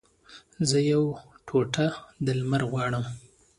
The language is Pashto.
زه یوه ټوټه د لمر غواړم